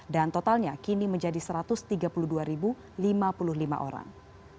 dan totalnya kini menjadi satu ratus tiga puluh dua lima puluh lima orang